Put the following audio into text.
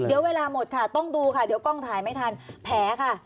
เดี๋ยวเวลาหมดค่ะต้องดูค่ะเดี๋ยวกล้องถ่ายไม่ทันแผลค่ะ